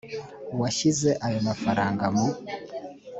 uwashyize ayo mafaranga mu